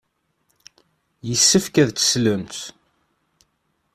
Yessefk ad teslemt.